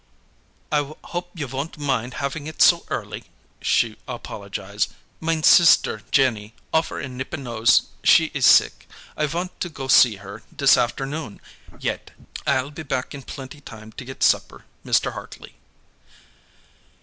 "I hope you von't mind haffin' it so early," she apologized. "Mein sister, Jennie, offer in Nippenose, she iss sick; I vant to go see her, dis afternoon, yet. I'll be back in blenty time to get supper, Mr. Hartley."